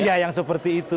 iya yang seperti itu